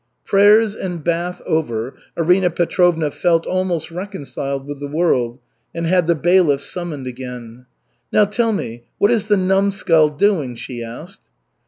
Prayers and bath over, Arina Petrovna felt almost reconciled with the world and had the bailiff summoned again. "Now tell me, what is the numskull doing?" she asked.